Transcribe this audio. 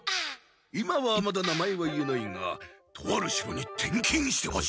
今はまだ名前は言えないがとある城に転勤してほしい。